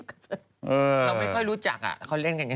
เราไม่ค่อยรู้จักเขาเล่นกันอย่างนี้